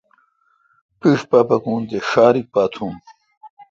پِِݭ پا پھکون تے ݭا ریک پا تھون۔